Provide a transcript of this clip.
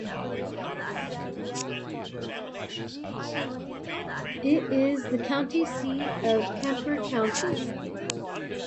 It is the county seat of Kemper County.